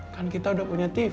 kan kita udah punya tips